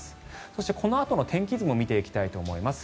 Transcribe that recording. そして、このあとの天気図も見ていきたいと思います。